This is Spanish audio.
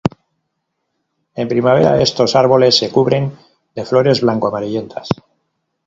En primavera estos árboles se cubren de flores blanco-amarillentas.